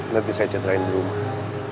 nanti saya citrain di rumah